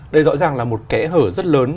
đây rõ ràng là một kẽ hở rất lớn